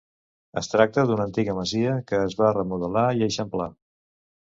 Es tracta d'una antiga masia que es va remodelar i eixamplar.